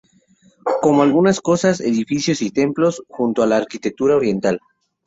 Como algunas casas, edificios y templos, junto con la arquitectura oriental.